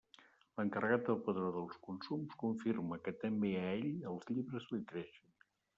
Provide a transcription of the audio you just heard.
L'encarregat del padró dels consums confirma que també a ell els llibres li creixen.